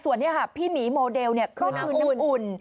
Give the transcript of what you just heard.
ส่วนนี้ค่ะพี่หมีโมเดลก็คือน้ำอุ่น